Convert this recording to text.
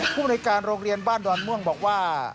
บริการโรงเรียนบ้านดอนม่วงบอกว่า